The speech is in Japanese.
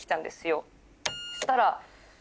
そしたら。